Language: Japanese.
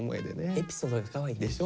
エピソードがかわいいね。